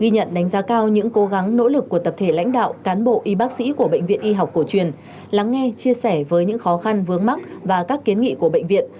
ghi nhận đánh giá cao những cố gắng nỗ lực của tập thể lãnh đạo cán bộ y bác sĩ của bệnh viện y học cổ truyền lắng nghe chia sẻ với những khó khăn vướng mắt và các kiến nghị của bệnh viện